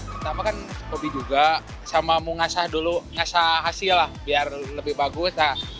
pertama kan hobi juga sama menghasilkan hasil biar lebih bagus